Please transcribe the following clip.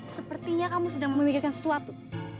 sepertinya kamu sedang memikirkan sesuatu